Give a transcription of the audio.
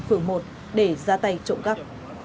phường một để ra tay trộm cắp